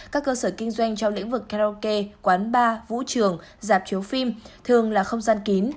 các cơ sở kinh doanh trong lĩnh vực karaoke quán bar vũ trường dạp chiếu phim thường là không gian kín